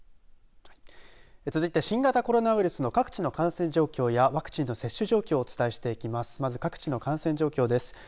続いて新型コロナウイルスの各地の感染状況やワクチンの接種状況をお伝えしていきます。